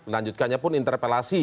lanjutkannya pun interpelasi